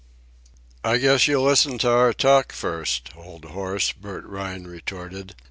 "I guess you'll listen to our talk, first, old horse," Bert Rhine retorted.